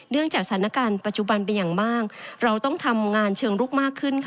จากสถานการณ์ปัจจุบันเป็นอย่างมากเราต้องทำงานเชิงลุกมากขึ้นค่ะ